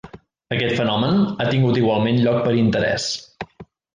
Aquest fenomen ha tingut igualment lloc per interès.